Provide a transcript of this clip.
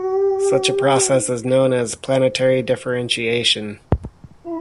Such a process is known as planetary differentiation.